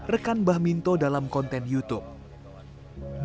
rekan bah minto dalam konten youtube